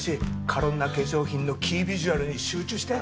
カロンナ化粧品のキービジュアルに集中して。